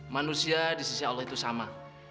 manusia di sisi allah itu sama